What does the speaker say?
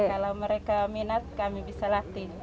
kalau mereka minat kami bisa latih